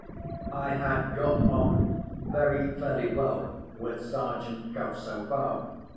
I had got on very fairly well with Sergeant Cuff so far.